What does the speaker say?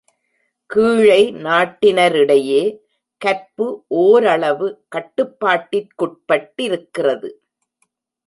கீழை நாட்டினரிடையே கற்பு ஓரளவு கட்டுப்பாட்டிற்குட்பட்டிருக்கிறது.